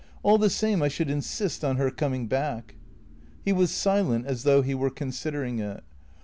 "All the same I should insist on her coming back/' He was silent, as though he were considering it.